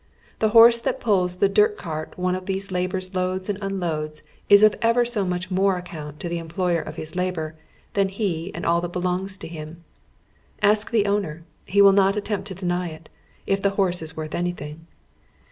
The horse that pulls the dirt cart one of these laborers loads and unloads is of ever so iiinch more ac count, to the employer of his labor than he and all that belongs to him. Ask the owner ; he will not attempt to deny it, if the horse is worth anytliing.